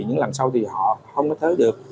nhưng mà bây giờ không còn mẹ nữa